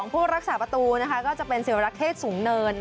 ผู้รักษาประตูก็จะเป็นศิวรักษ์เทศสูงเนิน